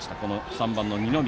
３番の二宮。